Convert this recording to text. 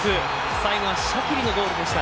最後はシャキリのゴールでした。